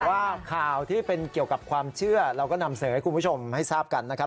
ว่าข่าวที่เป็นเกี่ยวกับความเชื่อเราก็นำเสนอให้คุณผู้ชมให้ทราบกันนะครับ